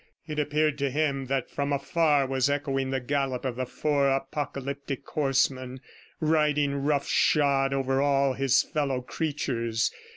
It appeared to him that from afar was echoing the gallop of the four Apocalyptic horsemen, riding rough shod over all his fellow creatures.